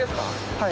はい。